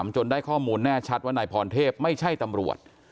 จนได้ข้อมูลแน่ชัดว่านายพรเทพไม่ใช่ตำรวจ